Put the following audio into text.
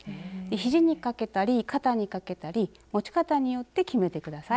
ひじにかけたり肩にかけたり持ち方によって決めて下さい。